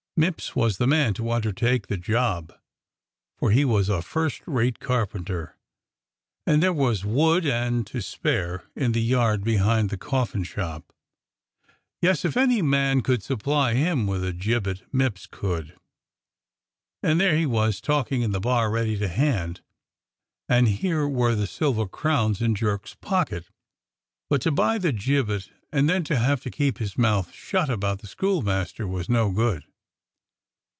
Mipps was the man to undertake the job, for he was a first rate carpenter, and there was wood and SETS UP A GALLOWS TREE 105 to spare in the yard behind the coffin shop. Yes, if any man could supply him with a gibbet Mipps could; and there he was talking in the bar ready to hand, and here were the silver crowns in Jerk's pocket. But to buy the gibbet and then to have to keep his mouth shut about the schoolmaster was no good.